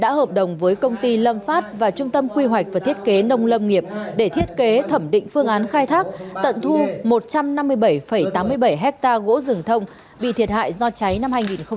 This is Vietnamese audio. đã hợp đồng với công ty lâm phát và trung tâm quy hoạch và thiết kế nông lâm nghiệp để thiết kế thẩm định phương án khai thác tận thu một trăm năm mươi bảy tám mươi bảy hectare gỗ rừng thông bị thiệt hại do cháy năm hai nghìn một mươi bảy